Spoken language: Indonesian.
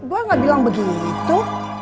gua ga bilang begitu